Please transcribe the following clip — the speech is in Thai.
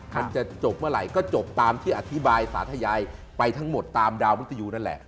มันจะจบเมื่อไหร่ก็จบตามที่อธิบายสาธยายไปทั้งหมดตามดาวมุทยูนั่นแหละ